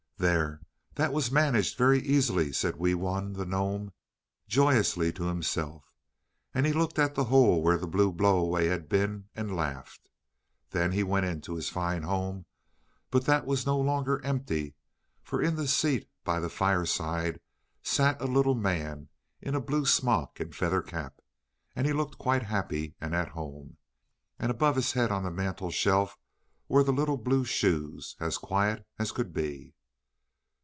"There, that was managed very easily," said Wee Wun the gnome joyously to himself, and he looked at the hole where the blue blow away had been, and laughed. Then he went into his fine home, but that was no longer empty, for in the seat by the fireside sat a little man in a blue smock and feather cap. And he looked quite happy and at home. And above his head on the mantel shelf were the little blue shoes, as quiet as could be.